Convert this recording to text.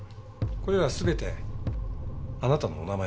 これら全てあなたのお名前です。